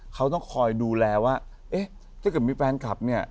เขาต้องคอยดูแลว่าเอ๊ะถ้าเกิดมีแฟนคลับเนี่ย